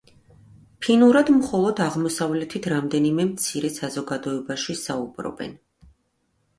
ფინურად მხოლოდ აღმოსავლეთით რამდენიმე მცირე საზოგადოებაში საუბრობენ.